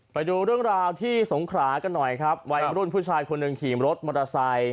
ไปดูเรื่องราวที่สงขรากันหน่อยครับวัยรุ่นผู้ชายคนหนึ่งขี่รถมอเตอร์ไซค์